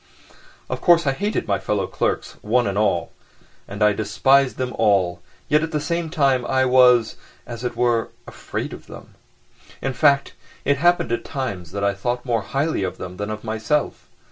Of course, I hated my fellow clerks one and all, and I despised them all, yet at the same time I was, as it were, afraid of them. In fact, it happened at times that I thought more highly of them than of myself.